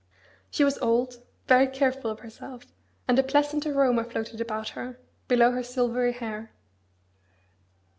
She was old, very careful of herself, and a pleasant aroma floated about her, below her silvery hair.